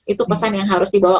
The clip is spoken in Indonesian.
itu pesan yang harus dibawa